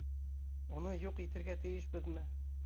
Уны юҡ итергә тейешбеҙме?